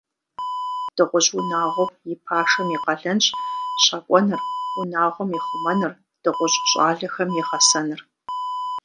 Дыгъужь унагъуэм и пашэм и къалэнщ щакӏуэныр, унагъуэм и хъумэныр, дыгъужь щӏалэхэм и гъэсэныр.